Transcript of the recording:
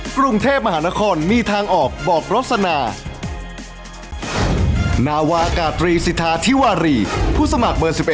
กรุงเทพมหานครมีทางออกบอกลักษณะ